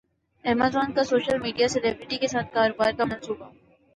Amazon کا social media celebrity کے ساتھ کاروبار کا منصوبہ